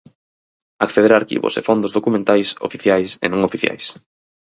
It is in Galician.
Acceder a arquivos e fondos documentais oficiais e non oficiais.